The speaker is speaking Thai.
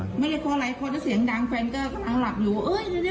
ไม่ได้เคาะอะไรเคาะเจ็บเสียงดังแฟนก็อ่างหลับอยู่เอ้ยเร็ว